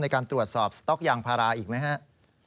ในการตรวจสอบสต๊อกยางพาราอีกไหมครับ